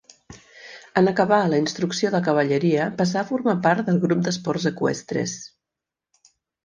En acabar la instrucció de cavalleria passà a formar part del grup d'esports eqüestres.